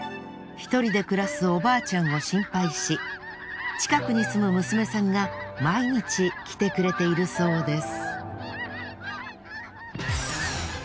１人で暮らすおばあちゃんを心配し近くに住む娘さんが毎日来てくれているそうです。